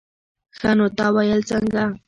ښه نو تا ويل څنگه.